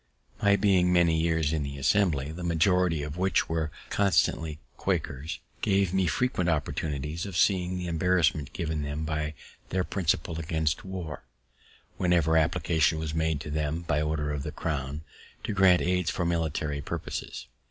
My being many years in the Assembly, the majority of which were constantly Quakers, gave me frequent opportunities of seeing the embarrassment given them by their principle against war, whenever application was made to them, by order of the crown, to grant aids for military purposes.